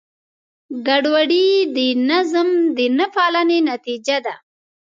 ګډوډي د نظم د نهپالنې نتیجه ده.